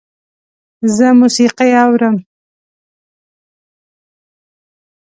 زه موسیقی اورم